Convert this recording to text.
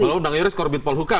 kalau bang yoris korbit polhukam